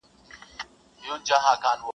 اره، اره ، لور پر غاړه-